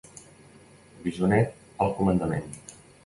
Bisonet al comandament.